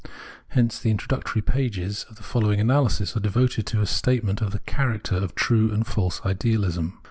Hence the introductory pages of the following analysis are devoted to a statement of the character of true and false idealism.